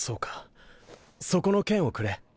そこの剣をくれ。